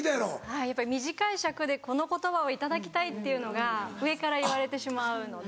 はい短い尺でこの言葉を頂きたいっていうのが上から言われてしまうので。